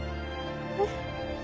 えっ。